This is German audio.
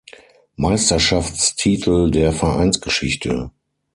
Meisterschaftstitel der Vereinsgeschichte.